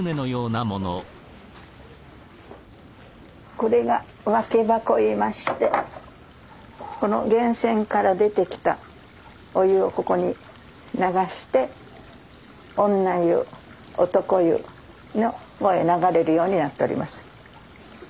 これが分け箱言いましてこの源泉から出てきたお湯をここに流して女湯男湯の方へ流れるようになっております。